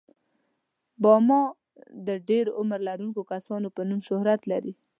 باما د ډېر عمر لرونکو کسانو په نوم شهرت لري.